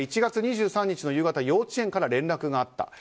１月２３日の夕方幼稚園から連絡があった。